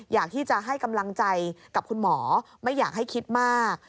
อยากที่จะให้กำลังใจกับคุณหมอไม่อยากให้คิดมาก